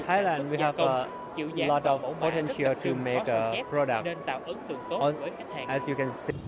chịu dạng và bổ mạ rất đặc trưng có sao chép nên tạo ấn tượng tốt với khách hàng